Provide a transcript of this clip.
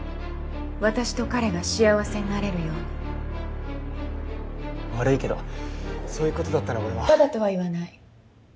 私と彼が幸せになれ悪いけどそういうことだったら俺はタダとは言わない！